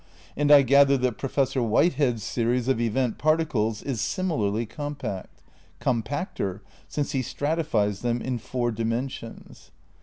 And I gather that Profesor Whitehead's series of event particles is similarly compact — compacter, since he stratifies them in four dimensions.